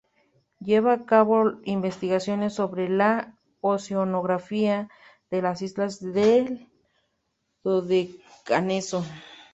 Lleva a cabo investigaciones sobre la oceanografía de las islas del Dodecaneso.